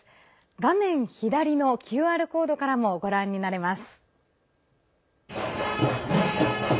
画面左のＱＲコードからもご覧になれます。